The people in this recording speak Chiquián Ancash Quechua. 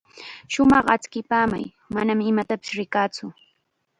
Shumaq achkipamay, manam imatapis rikaatsu.